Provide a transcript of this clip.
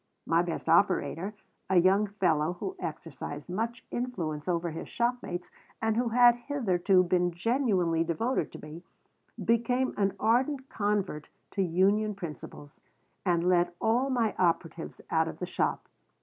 My best operator, a young fellow who exercised much influence over his shopmates and who had hitherto been genuinely devoted to me, became an ardent convert to union principles and led all my operatives out of the shop.